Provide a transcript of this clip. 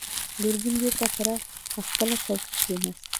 ګرګين بېرته پر خپله څوکۍ کېناست.